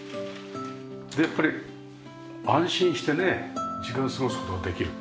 でやっぱり安心してね時間を過ごす事ができる。